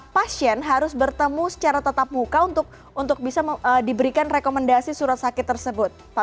pasien harus bertemu secara tatap muka untuk bisa diberikan rekomendasi surat sakit tersebut